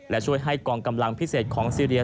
และช่วยให้กองกำลังพิเศษของซีเรีย